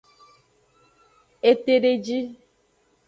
Etedeji.